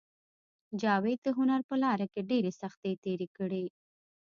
جاوید د هنر په لاره کې ډېرې سختۍ تېرې کړې